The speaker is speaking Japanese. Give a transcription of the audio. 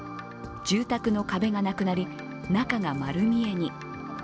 住宅の壁がなくなり中が丸見えに。